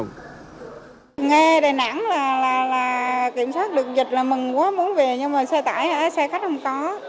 nghe đà nẵng là kiểm soát được dịch là mừng quá muốn về nhưng mà xe tải xe khách không có